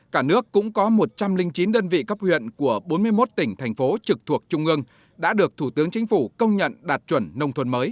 cả nước cũng có một trăm linh chín đơn vị cấp huyện của bốn mươi một tỉnh thành phố trực thuộc trung ương đã được thủ tướng chính phủ công nhận đạt chuẩn nông thôn mới